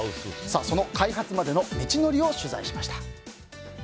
その開発までの道のりを取材しました。